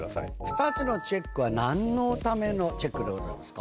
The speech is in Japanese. ２つのチェックは何のためのチェックでございますか？